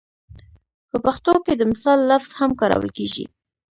په پښتو کې د مثال لفظ هم کارول کېږي